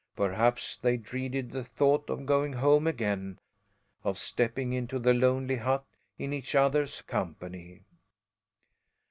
Perhaps they dreaded the thought of going home again, of stepping into the lonely hut in each other's company.